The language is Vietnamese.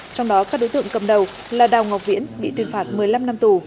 trong đó các đối tượng cầm đầu là đào ngọc viễn bị tuyên phạt một mươi năm năm tù